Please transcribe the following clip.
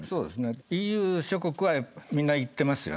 ＥＵ諸国はみんな行ってます。